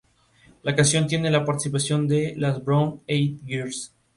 La canción tiene la participación de las Brown Eyed Girls.